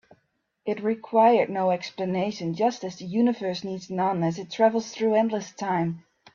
It required no explanation, just as the universe needs none as it travels through endless time.